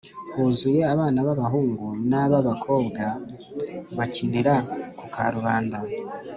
huzuye abana b abahungu n ab abakobwa bakinira ku karubanda